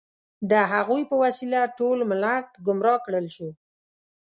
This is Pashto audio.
د هغوی په وسیله ټول ملت ګمراه کړل شو.